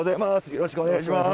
よろしくお願いします。